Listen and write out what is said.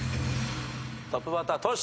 トップバッタートシ。